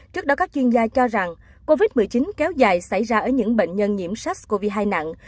trước đó các chuyên gia cho rằng covid một mươi chín kéo dài xảy ra ở những bệnh nhân nhiễm sars cov hai nặng